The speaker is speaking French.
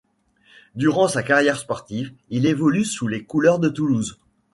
Durant sa carrière sportive, il évolue sous les couleurs de Toulouse.